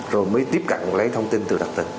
rồi mới tiếp cận lấy thông tin từ đặc tỉnh